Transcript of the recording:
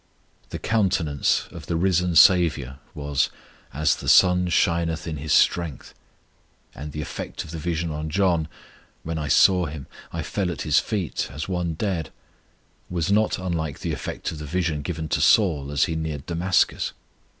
The countenance of the risen SAVIOUR was "as the sun shineth in his strength," and the effect of the vision on John "when I saw Him, I fell at His feet as one dead" was not unlike the effect of the vision given to Saul as he neared Damascus.